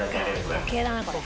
時計だなこれ。